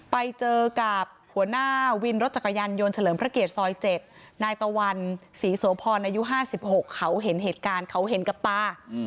ไปเจอกับหัวหน้าวินรถจักรยานยนต์เฉลิมพระเกียรติซอย๗นายตะวันศรีโสพรอายุ๕๖เขาเห็นเหตุการณ์เขาเห็นกับตา